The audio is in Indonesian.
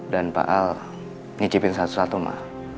dan pak al ngicipin satu satu ma